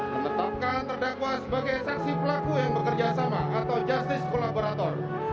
menetapkan terdakwa sebagai saksi pelaku yang bekerja sama atau justice kolaborator